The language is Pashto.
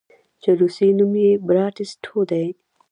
چې روسي نوم ئې Bratstvoدے